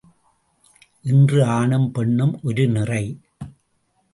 இன்று ஆணும் பெண்ணும் ஒரு நிறை.